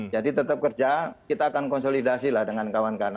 jadi tetap kerja kita akan konsolidasi dengan kawan kawan